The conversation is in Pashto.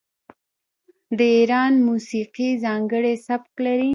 د ایران موسیقي ځانګړی سبک لري.